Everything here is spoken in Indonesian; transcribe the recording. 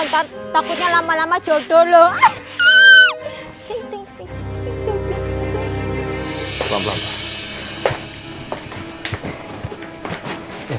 ntar takutnya lama lama jauh jauh aja ya